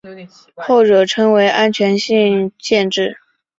后者称为安全性限制。